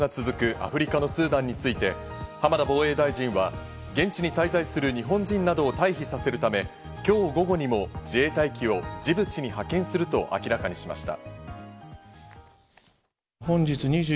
アフリカのスーダンについて、浜田防衛大臣は現地に滞在する日本人などを退避させるため、今日午後にも自衛隊機をジブチに派遣すると明らかにしました。